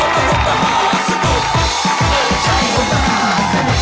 นั่นแหละรถมหาสนุก